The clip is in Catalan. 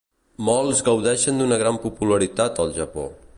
Molts gaudeixen d'una gran popularitat al Japó.